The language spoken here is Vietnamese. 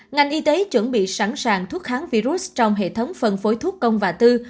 ngành y tế chuẩn bị sẵn sàng thuốc kháng virus trong hệ thống phân phối thuốc công và tư